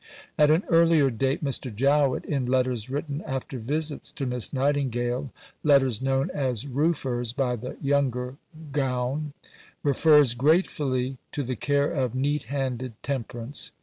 At an earlier date Mr. Jowett in letters written after visits to Miss Nightingale letters known as "roofers" by "the younger gown" refers gratefully to the care of neat handed Temperance.